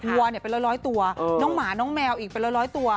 วัวเป็นร้อยตัวน้องหมาน้องแมวอีกเป็นร้อยตัว